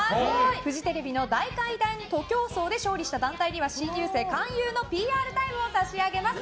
フジテレビの大階段徒競走で勝利した団体には新入生勧誘のＰＲタイムを差し上げます。